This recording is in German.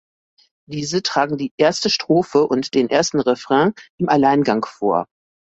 Diese tragen die erste Strophe und den ersten Refrain im Alleingang vor.